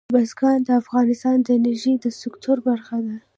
بزګان د افغانستان د انرژۍ د سکتور برخه ده.